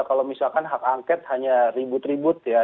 kalau misalkan hak angket hanya ribut ribut ya